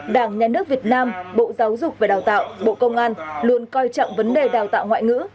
đảng nhà nước việt nam bộ giáo dục và đào tạo bộ công an luôn coi trọng vấn đề đào tạo ngoại ngữ